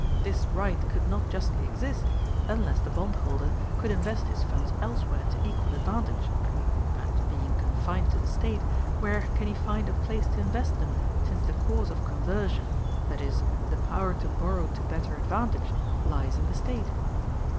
This right could not justly exist, unless the bondholder could invest his funds elsewhere to equal advantage; but being confined to the State, where can he find a place to invest them, since the cause of conversion, that is, the power to borrow to better advantage, lies in the State?